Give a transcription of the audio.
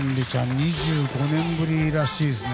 ２５年ぶりらしいですね。